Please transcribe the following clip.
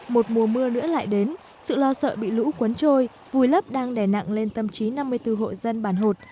một mùa mưa nữa lại đến sự lo sợ bị lũ cuốn trôi vùi lấp đang đè nặng lên tâm trí năm mươi bốn hộ dân bàn hột